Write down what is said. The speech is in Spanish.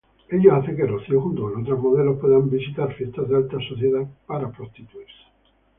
Ello hace que Rocío, junto con otras modelos, puedan visitar fiestas de alta sociedad.